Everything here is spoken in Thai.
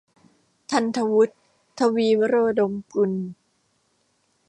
ธันย์ฐวุฒิ ทวีวโรดมกุล